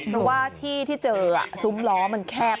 เพราะว่าที่ที่เจอซุ้มล้อมันแคบ